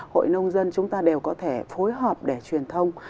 hội nông dân chúng ta đều có thể phối hợp để truyền thông